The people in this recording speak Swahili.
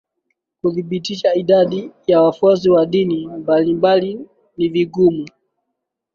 Kuthibitisha idadi ya wafuasi wa dini mbalimbali ni vigumu